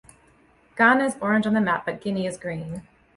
Ghana is orange on the map, but Guinea is green.